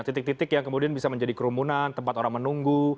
titik titik yang kemudian bisa menjadi kerumunan tempat orang menunggu